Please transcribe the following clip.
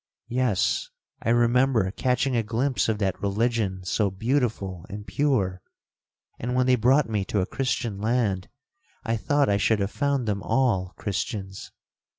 Yes, I remember catching a glimpse of that religion so beautiful and pure; and when they brought me to a Christian land, I thought I should have found them all Christians.'